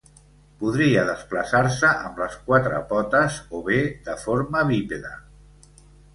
Podia desplaçar-se amb les quatre potes o bé de forma bípeda.